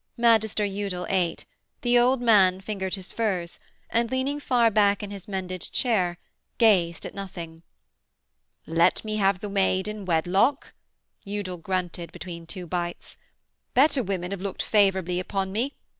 Magister Udal ate; the old man fingered his furs and, leaning far back in his mended chair, gazed at nothing. 'Let me have the maid in wedlock,' Udal grunted between two bites. 'Better women have looked favourably upon me.